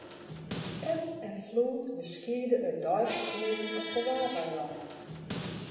Eb en floed beskiede it deistich libben op de Waadeilannen.